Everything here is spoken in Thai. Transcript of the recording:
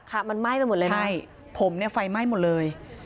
ค่ะมันไหม้ไปหมดเลยไหมผมเนี่ยไฟไหม้หมดเลย